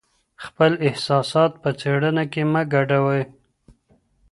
خپل احساسات په څېړنه کي مه ګډوئ.